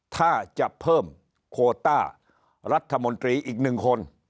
ถ้าจะเพิ่มโคต้ารัฐมนตรีอีกหนึ่งคน